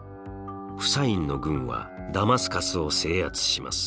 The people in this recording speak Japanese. フサインの軍はダマスカスを制圧します。